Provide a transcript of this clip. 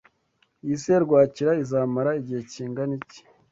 Iyi serwakira izamara igihe kingana iki?